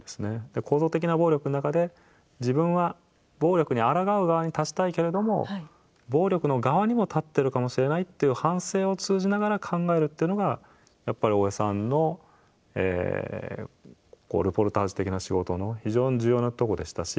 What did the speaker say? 構造的な暴力の中で自分は暴力にあらがう側に立ちたいけれども暴力の側にも立ってるかもしれないっていう反省を通じながら考えるっていうのがやっぱり大江さんのルポルタージュ的な仕事の非常に重要なとこでしたし